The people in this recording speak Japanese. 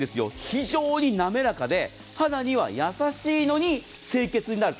非常になめらかで肌には優しいのに清潔になる。